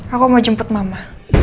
aku mau jemput mama